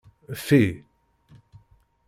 Ffi.